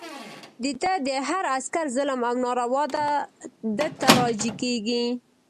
د ده د هر عسکر ظلم او ناروا ده ته راجع کېږي.